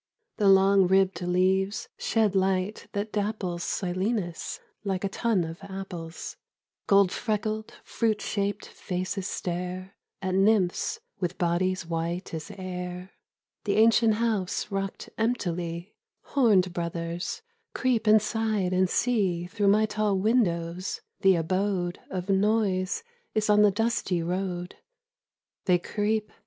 The long ribbed leaves shed light that dapples Silenus like a tun of apples. Gold freckled, fruit shaped faces stare At nymphs with bodies white as air. The ancient house rocked emptily :" Horned brothers, creep inside and see Through my tall windows : the abode Of noise is on the dusty road." They creep